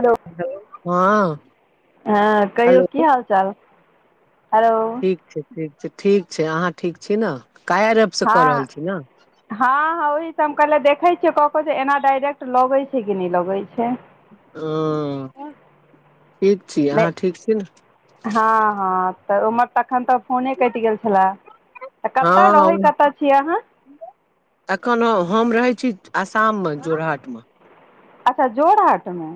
hello हँ हँ कहियो की हेलो हाल चाल छै हेलो ठीक छै ठीक छै अहाँ ठीक छी [unintelligible] ने क हाँ हाँ हाँ ओही सँ हम कहलिय देखैत छियै कऽ जे एना डायरेक्ट लगै छै कि नहि लगै छै ओ ठिक छी अहाँ ठिक छीये ने हाँ हाँ तऽ उमहर तखन सब फोने केट गेल छलए तऽ कतऽ रहै कतऽ छीयै अहाँ एखनो हम रहै छी आसाम मे जोरहट मे अच्छा जोडहाट मे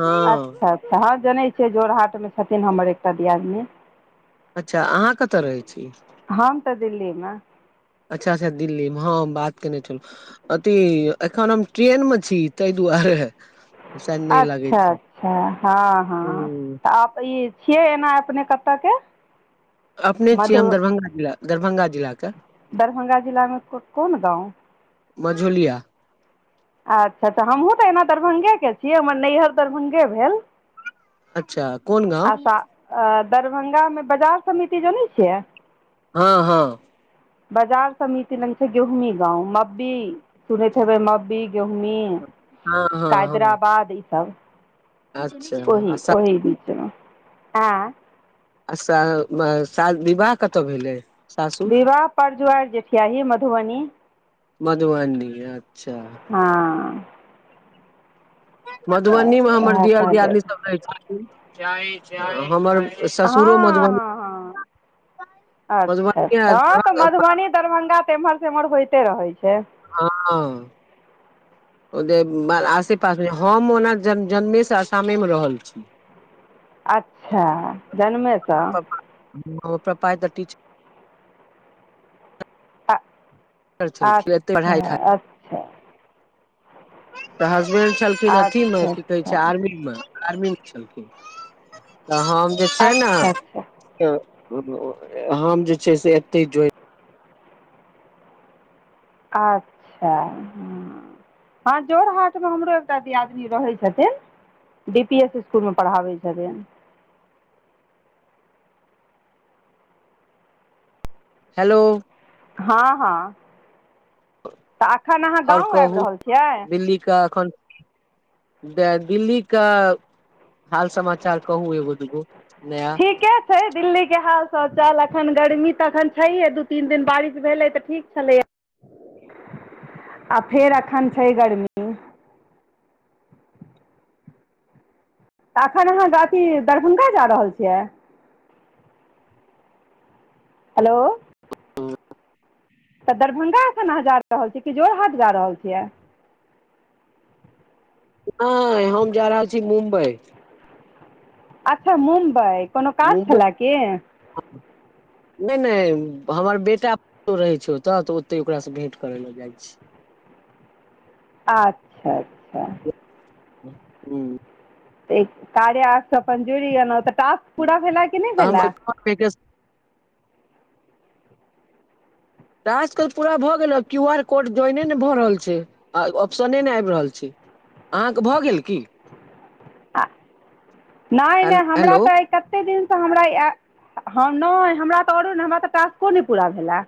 हँ अच्छा हाँ जनेय छियै जोरहाट में छथिन हमर एकटा दियादनी अच्छा अहाँ कतय रहै छीये हम तऽ दिल्ली मे अच्छा अच्छा दिल्ली मे हाँ हम बात केने छलहुँ अथी एखन हम ट्रेन मे छी तेय दुआरे शायद नहि अच्छा लगैत हैत अच्छा हाँ हाँ ह तऽ आ ई छियै एना अपने कतेक के अपने छियै मधु हम दरभंगा जिला दरभंगा जिला कऽ दरभंगा जिला मे कोन गाँव मझोलिया अच्छा हमहूँ तऽ एना दरभंगा के छीयै हमर नैहर दरभंगो भेल अच्छा कोन गाँव दरभंगा में बाजार समिति जनै छिय हाँ हाँ बजार समिति लग छय गेहुमी गाँव मब्बी सुनैत हेबइ मब्बी गेहूमी हँ हँ हँ कैदराबाद ईसभ अच्छा आ ओही सा ओही बिच में आ श शाद विवाह कतय भेलइ ये विवाह पर जुरिज्वार जठि आही मधुबनी मधुबनी अच्छा हाँ तऽ मधुबनी में हमर उएह दियर कहलियै दियनी सब रहय छथीन चाय चाय हमर चाय हाँ हाँ अच्छा मधुबनी आ अच्छा तऽ दरभंगा मधुबनी दरभंगा तऽ एम्हर सेमहर होइते रहे छय हाँ आ हं ओ जे आसे पास में हम ओना ज जन्मेसँ आसामेमे रहल छी अच्छा जन्मे सँ प्रपा तऽ टी छलखिन एते पढ़ाइ अच्छा खाइ अच्छा तऽ हसबेंड छलखिन अथी में की कहै अच्छा छै आर्मी मे आर्मी में छलखिन तऽ हम जे छै ने अच्छा अच्छा तऽ हम जे छै से एते जोड़ अच्छा हं हँ जोड़ हाट में हमरो एकटा दियादनी रहै छथिन डी पी एस स्कूल पढ़ाबइ छथिन हेलो हाँं हाँ तऽ अखन आहाँ आओर गाँव आबि कहू रहल छियै दिल्ली का एखन दे दिल्ली कऽ हाल समाचार कहु एगो दुगो नया ठीके छय दिल्ली के हाल शौचाल एखन गर्मी तऽ अखन छैहे दू तीन दिन बारिश भेलै तऽ ठीक आ फेर अखन छै गर्मी तऽ अखन आहाँ अथी दरभंगा जा रहल छियै हेलो तऽ दरभंगा एखन अहाँ जा रहल छीयै कि जोर हाट जा रहल छियइ नहि हम जा रहल छी मुम्बई अच्छा मुम्बई कोनो काज मुम्बई छलए की [inaudible] नहि नहि हमर बेटा पुतौह रहै छय ओतऽ तऽ ओते ओकरासँ भेंट करै लए जाइ छी अच्छा अच्छा हं कार्या एप स अपन जूड़ गेलौ तऽ अपन टास्क हू पूरा भेला कि नहि हाम भेला ओहिठमा तऽ आजकल त पूरा भऽ गेल क्यू आर कोड जोाइने नहि भऽ रहल छय आ ऑप्शने नइ आबि रहल छै अहाँके भऽ गेल की आ नय नय हमरा हेलो तऽइ कते दिनसँ हमरा नय हमरा तऽ रो नहि हमरा तऽ टास्को नहि पूरा भेलै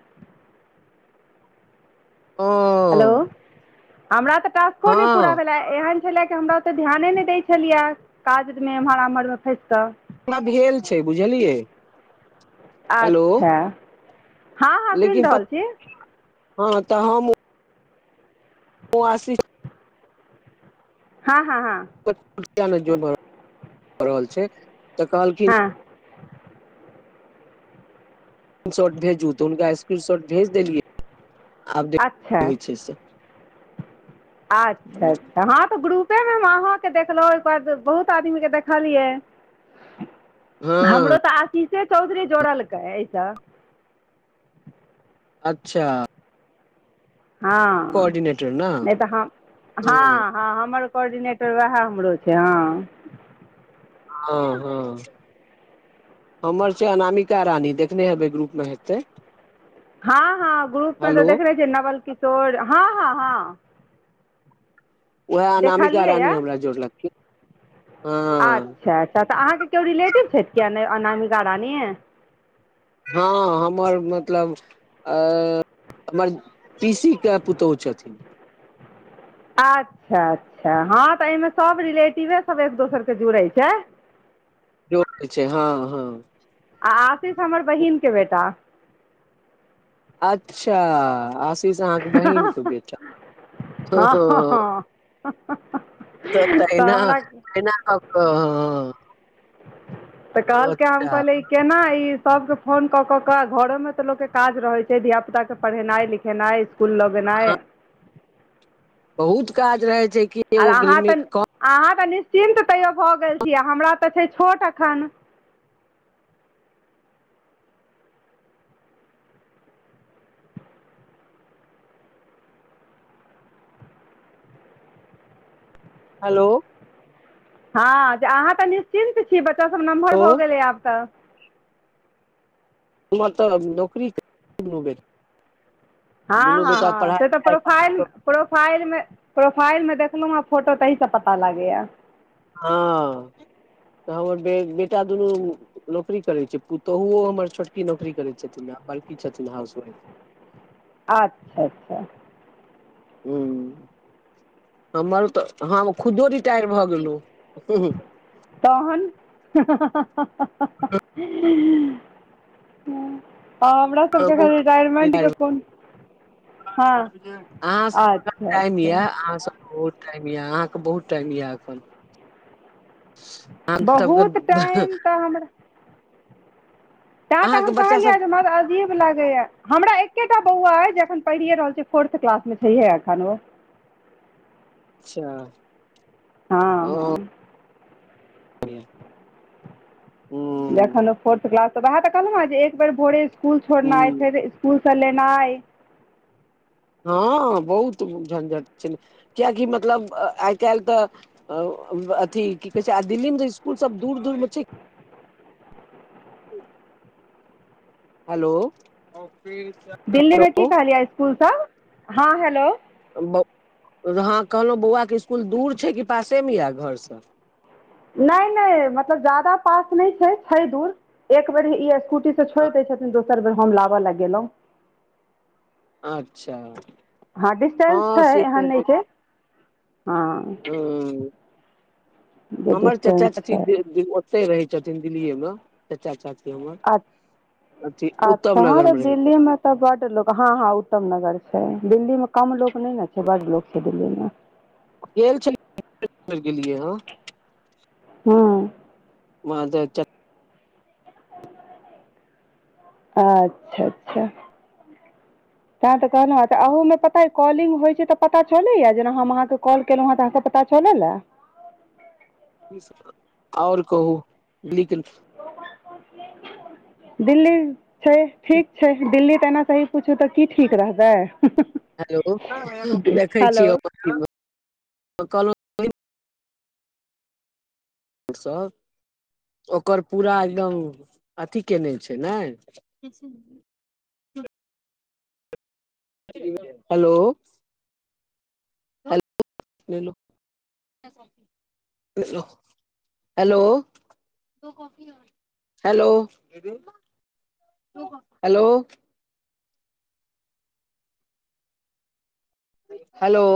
ओ हलो हमरा तऽ टास्को नहि हँ पूरा भेलै एहन छलय के हमरा ओतऽ ध्यान नहि दै छलियै काज मे एम्हरम्हरमे फँसि कऽ [unintelligible] भेल छै बुझलियै हेलो अच्छा हँ हँ सुनि लेकिन रहल छी हँ तऽ हम ऊ ओ आसी हँ हँ हँ छै तऽ [unintelligible] [unintelligible] हँ स्क्रीन शॉट भेजू तऽ हुनका स्क्रीन शॉट भेज देलियै आब देख [unintelligible] अच्छा होइ छै से आच्छा अच्छा हँ तऽ ग्रुप तें हम अहां के देखलहु ओहिके बाद बहुत आदमी के देखलियै हँ हमरो तऽ आशीषे चौधरी जोड़लकै एहिसँ अच्छा हँ कोर्डिनेटर ने नहि तऽ हम हँ हँ हमर कोर्डिनेटर वएह हमरो छै हँ ह हँ हमर छै अनामिका रानी देखने हेबै ग्रुपमे हेतैय हँ हँ ग्रुप मे तऽ हेलो देखनेे छ नवल किशोर हँ हँ हँ उएह अनामिका देखलिए या रानी हमरा जोड़लखिन हँ अच्छा अच्छा त अहाँ के ओ रिलेटिव छैथ कि अन अनामिका रानी हँ हमर मतलब अ हमर पीसी के पुतोह छथिन आच्छा अच्छा हँ तऽ एहिमे सब रिलेटिवे सब एक दोसरके जुड़ैत छै ह [unintelligible] जोड़ै छै हँ हँ आ आसिष हमर बहिनक के बेटा अच्छा आशीष अहाँके बहिन के बेटा ह [unintelligible] [unintelligible] त तहिना अब तहिना ह [unintelligible] तऽ कहलया हाम कहलै केना ई सभके फोन कऽ कऽ कऽ घरोमे तऽ लोकके काज रहैत छै धियापुताके पढ़ेनाइ लिखेनाइ फुल लगेनाइ हँ बहुत काज रहै छै कि आर एगो अहाँ गृहणी तऽ कम अहाँ तऽ निश्चिन्त तैयो भऽ गेल छी हमरा तऽ छै छोट एखन हलो हँ जे अहाँ तऽ निश्चिन्त छी बच्चासभ नमहर हेलो भऽ गेलै आब तऽ हमर तऽ नौकरी बे [unintelligible] हँ हँ हँ पढ़ाइ से तऽ लिखाइ प्रोफाइल प्रोफाइलमे प्रोफाइलमे देखलहुँ हेँ फोटो तहीसँ पता लागैए हँ तऽ हमर बे बेटा दुनू नौकरी करै छै पुतोहुओ हमर छोटकी नौकरी करैत छथिन आ बड़की छथिन हाउसवाइफ आच्छा अच्छा ह हमर तऽ हम खुदो रिटायर भऽ गेलु तहन हमरा सबके हमहुँ एखन रिटायरमेंट रिटायर के कोन हँ अहाँ सब अच्छा टाइम य अच्छा अहाँ सब टाइम यऽ अहाँके बहुत टाइम य अपन सबके बहुत टाइम तऽ हमरा ते तऽ अहाँके हम बच्चा कहलिय सब अी लागेया हमरा एकेटा बौआ अ जेखन पढ़िए रहल छी फोर्थ क्लास में छैहे एखन ओ अच्छा हँ हँ ज हं जखन फोर्थ क्लास तऽ उएह तऽलहु ने जे एक बेर भोरे इसकुल छोड़नाइ हूं छै तऽ फकूलसँ लेनाइ हँ बहुत झंझट छय ने कियाकि मतलब आइ काल्ह तऽ अथी की कहे छय आ दिल्ली में स्कूल सब दूर दूर मे छै हेलो दिल्लीमे की कहलिऐ इसकुलसँ हँ हेलो ब हँ कहलहु बौआ के इसकुल दूर छै कि पासे में य घर से नय नय मतलब ज्यादा पास नहि छै छै दूर एक बेर ई स्कूटी छोड़ दय छथिन दोसर बेर हम लाबऽ लग गेलहुँ अच्छा हँ डिस्टेन्स हँ छै से तऽ एहन नहि छय हँ हं जे हमर चाचा डिस्टेंस चची छै से रहय छथिन दिल्लीए में चच्चा चाची आ कथी उत्तम अच्छा हँ नगर तऽ में रहय छथीन दिल्लीमे तऽ बड़ लोक हाँ हाँ उत्तम नगर छय दिल्ली में कम लोक नहि ने छै बड़ लोक छै दिल्ली में गेल छलियर गेलियै हे हूँ वहाँ ह अच्छा अच्छा तैं तऽ कहलहुँऽ हे पता अऽ कॉलिंग होई छै तऽ पता तऽ छलैए जेना हम अहाँ केलेलहुँ हँ तऽ अहाँ के पता ता चलै ल और कहु दिल्ली छय ठीक छै दिल्ली तऽ एना सही पूछू तऽ की ठीक रहबै हेलो देखय हेलो छिये कहलो रस ओकर पूरा एकदम अथी केने छय ने हेलो हो हेलो हेलो हेलो हेलो